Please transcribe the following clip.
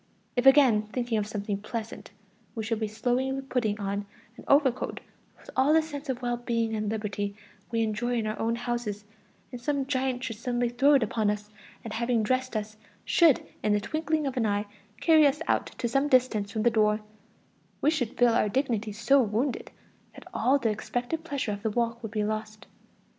If again, thinking of something pleasant, we should be slowly putting on an overcoat with all the sense of well being and liberty we enjoy in our own houses, and some giant should suddenly throw it upon us, and having dressed us, should in the twinkling of an eye, carry us out to some distance from the door, we should feel our dignity so wounded, that all the expected pleasure of the walk would be lost.